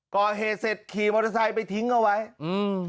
ก่อเหตุเสร็จขี่มอเตอร์ไซค์ไปทิ้งเอาไว้อืม